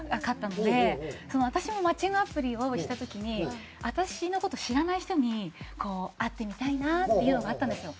私もマッチングアプリをした時に私の事知らない人に会ってみたいなっていうのがあったんですよ。